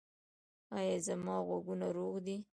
ایا زما غوږونه روغ دي؟